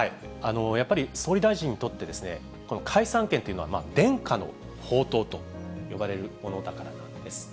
やっぱり、総理大臣にとって、この解散権というのは、伝家の宝刀と呼ばれるものだからなんです。